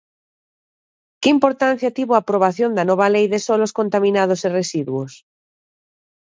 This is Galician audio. Que importancia tivo a aprobación da nova lei de solos contaminados e residuos?